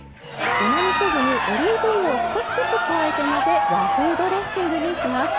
うまみそ酢にオリーブ油を少しずつ加えて混ぜ和風ドレッシングにします。